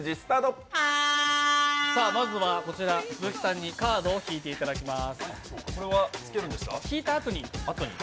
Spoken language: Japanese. まずは鈴木さんにカードを引いていただきます。